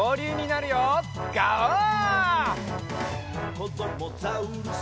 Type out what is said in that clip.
「こどもザウルス